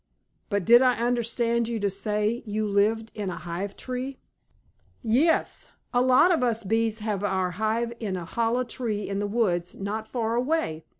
"But did I understand you to say you lived in a hive tree?" "Yes, a lot of us bees have our hive in a hollow tree in the woods, not far away.